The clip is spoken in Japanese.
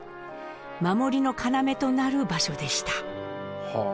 守りの要となる場所でした。